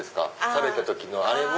食べた時のあれも。